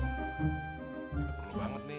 gak perlu banget nih